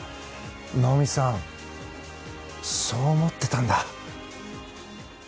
なおみさん、そう思ってたんだ！